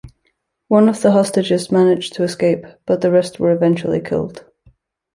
One of the hostages managed to escape but the rest were eventually killed.